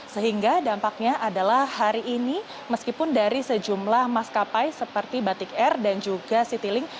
sehingga dampaknya adalah hari ini meskipun dari sejumlah maskapai seperti batik air dan juga citylink